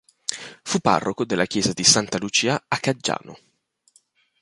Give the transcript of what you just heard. Fu parroco della chiesa di Santa Lucia a Caggiano.